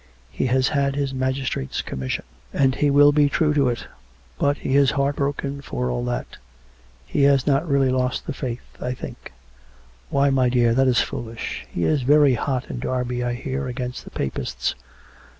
He has had his magistrate's commission; and he will be true to it. But he is heart broken for all that. He has not really lost the Faith, I think." " Why, my dear ; that is foolish. He is very hot in Derby, I hear, against the Papists.